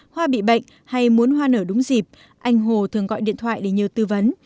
hoa bị bệnh hay muốn hoa nở đúng dịp anh hồ thường gọi điện thoại để nhờ tư vấn